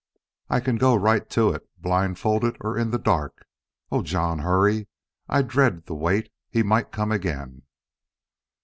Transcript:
"I can go right to it, blindfolded, or in the dark.... Oh, John, hurry! I dread the wait. He might come again."